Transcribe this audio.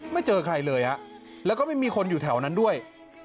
เจอใครเลยฮะแล้วก็ไม่มีคนอยู่แถวนั้นด้วย